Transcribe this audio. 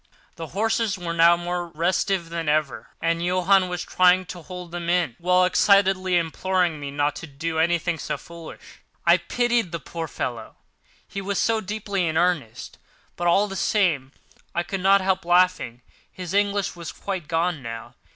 The horses were now more restive than ever, and Johann was trying to hold them in, while excitedly imploring me not to do anything so foolish. I pitied the poor fellow, he was deeply in earnest; but all the same I could not help laughing. His English was quite gone now.